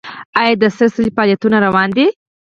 آیا د سره صلیب فعالیتونه روان دي؟